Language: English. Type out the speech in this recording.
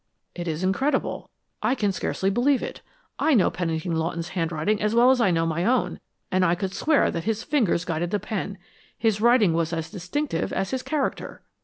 "It is incredible. I can scarcely believe it. I know Pennington Lawton's handwriting as well as I know my own, and I could swear that his fingers guided the pen. His writing was as distinctive as his character."